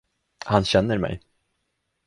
Han känner mig.